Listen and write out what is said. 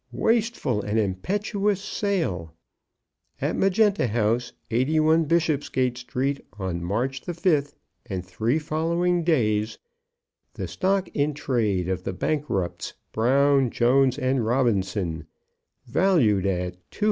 WASTEFUL AND IMPETUOUS SALE. At Magenta House, 81, Bishopsgate Street, on March the 5th, and three following days, the Stock in Trade of the bankrupts, Brown, Jones, and Robinson, valued at 209,657_l.